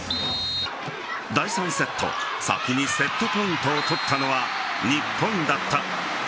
第３セット先にセットポイントを取ったのは日本だった。